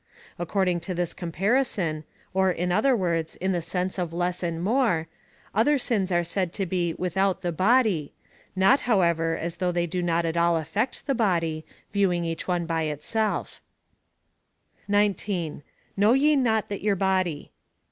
According to this comparison, or, in other words, in the sense of less and more, other sins are said to be with out the body — not, however, as though they do not at all affect the body, viewing each one by itself 19. Know ye not that your body.